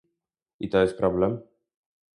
I to jest problem